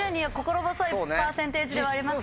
パーセンテージではありますけど。